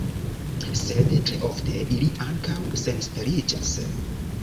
Sed tre ofte ili ankaŭ senesperiĝas.